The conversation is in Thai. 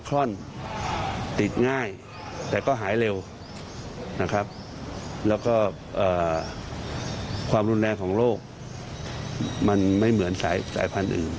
แล้วก็ความดนแรงของโรคมันไม่เหมือนสายพันธุ์อื่น